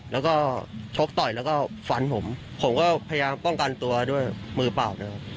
แล้วก็ชกต่อยแล้วก็ฟันผมผมก็พยายามป้องกันตัวด้วยมือเปล่านะครับ